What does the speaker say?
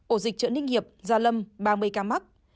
ổ dịch chợ ninh hiệp gia lâm ba mươi ca mắc